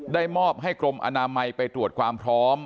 มอบให้กรมอนามัยไปตรวจความพร้อม